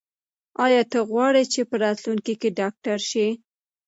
ایا ته غواړې چې په راتلونکي کې ډاکټر شې؟